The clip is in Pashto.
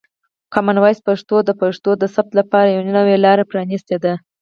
کامن وایس پښتو د پښتو د ثبت لپاره یوه نوې لاره پرانیستې ده.